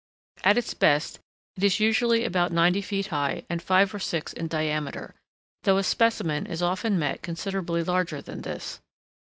At its best it is usually about ninety feet high and five or six in diameter, though a specimen is often met considerably larger than this.